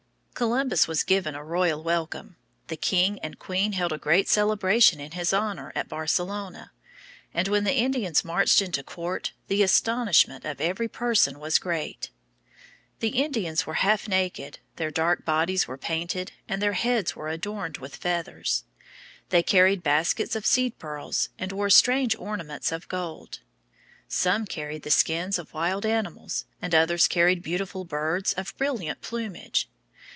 Columbus was given a royal welcome. The king and queen held a great celebration in his honor at Barcelona; and when the Indians marched into court the astonishment of every person was great. The Indians were half naked; their dark bodies were painted, and their heads were adorned with feathers. They carried baskets of seed pearls, and wore strange ornaments of gold. Some carried the skins of wild animals, and others carried beautiful birds of brilliant plumage.